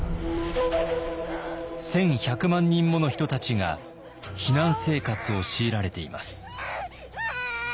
１，１００万人もの人たちが避難生活を強いられています。